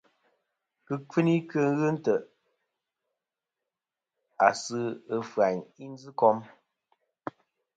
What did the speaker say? Kɨkfuni ghɨ ntè' ma a sɨ ghɨ ɨfyayn i njɨkom.